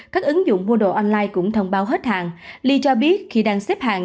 các ứng dụng mua đồ online cũng thông báo hết hàng ly cho biết khi đang xếp hàng